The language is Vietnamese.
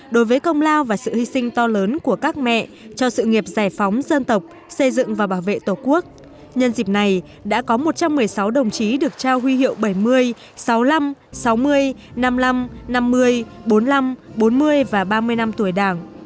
đối với công lao và sự hy sinh to lớn của các mẹ cho sự nghiệp giải phóng dân tộc xây dựng và bảo vệ tổ quốc nhân dịp này đã có một trăm một mươi sáu đồng chí được trao huy hiệu bảy mươi sáu mươi năm sáu mươi năm mươi năm năm mươi bốn mươi năm bốn mươi và ba mươi năm tuổi đảng